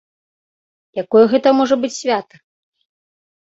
Якое гэта можа быць свята?